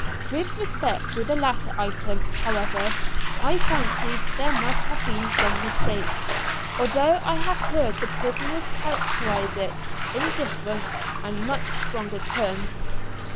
With respect to the latter item, however, I fancy there must have been some mistake, although I have heard the prisoners characterize it in different and much stronger terms.